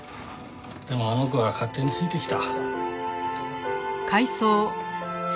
でもあの子が勝手についてきた。